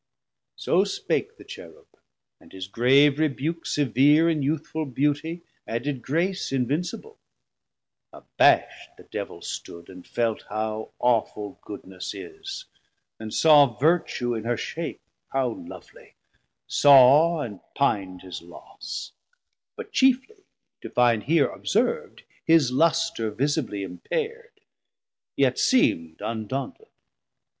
So spake the Cherube, and his grave rebuke Severe in youthful beautie, added grace Invincible: abasht the Devil stood, And felt how awful goodness is, and saw Vertue in her shape how lovly, saw, and pin'd His loss; but chiefly to find here observd His lustre visibly impar'd; yet seemd 850 Undaunted.